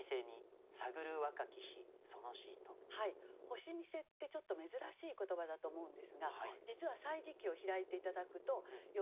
「干見世」ってちょっと珍しい言葉だと思うんですが実は「歳時記」を開いて頂くと「夜店」の傍題にあるんですね。